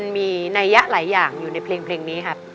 มีนัยยะหลายอย่างอยู่ในเพลงนี้ครับ